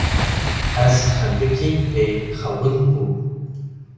Ez xendiqîm lê xewin bû